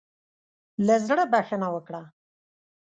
له زړۀ بخښنه وکړه.